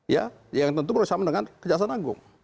ya yang tentu bersama dengan kejaksaan agung